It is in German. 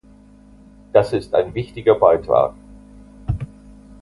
Das ist ein wichtiger Beitrag.